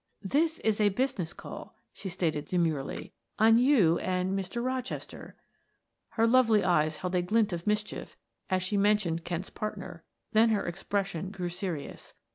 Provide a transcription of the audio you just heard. "This is a business call," she stated demurely, "on you and Mr. Rochester." Her lovely eyes held a glint of mischief as she mentioned Kent's partner, then her expression grew serious.